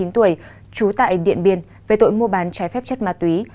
hai mươi chín tuổi trú tại điện biên về tội mua bán trái phép chất ma túy